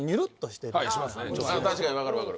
確かに分かる分かる。